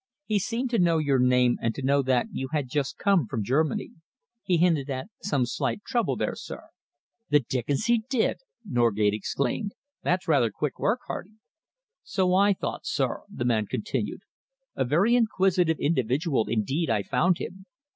He seemed to know your name and to know that you had just come from Germany. He hinted at some slight trouble there, sir." "The dickens he did!" Norgate exclaimed. "That's rather quick work, Hardy." "So I thought, sir," the man continued. "A very inquisitive individual indeed I found him.